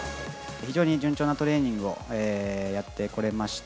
非常に順調なトレーニングをやってこれました。